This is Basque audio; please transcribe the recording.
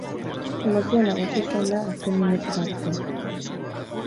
Emozioa nagusi izan da azken minutura arte.